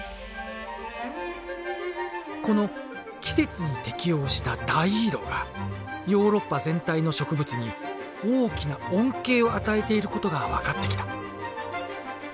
この季節に適応した大移動がヨーロッパ全体の植物に大きな恩恵を与えていることが分かってきた。